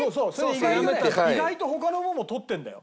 意外とね意外と他のものも取ってるんだよ。